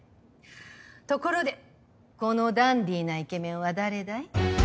ところでこのダンディーなイケメンは誰だい？